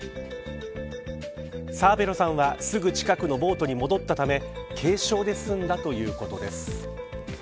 サーヴェロさんはすぐ近くのボートに戻ったため軽傷で済んだということです。